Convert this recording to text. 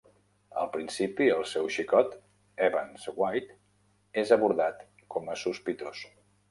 Al principi, el seu xicot, Evans White, és abordat com a sospitós.